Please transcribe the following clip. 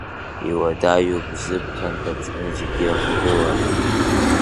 Иуадаҩуп Бзыԥҭантә Аԥсны зегьы ахагылара.